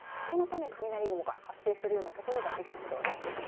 このため雷雲が発生するような所が出てきそうです。